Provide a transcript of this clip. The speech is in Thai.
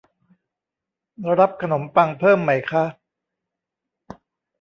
รับขนมปังเพิ่มไหมคะ